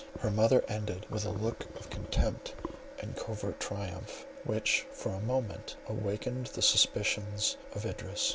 Her mother ended with a look of contempt and covert triumph, which for a moment awakened the suspicions of Idris.